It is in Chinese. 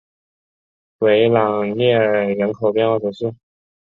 维朗涅尔人口变化图示